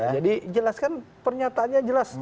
jadi jelas kan pernyataannya jelas